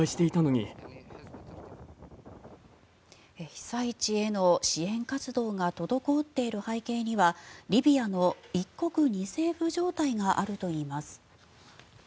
被災地への支援活動が滞っている背景にはリビアの１国２政府状態があるといいます。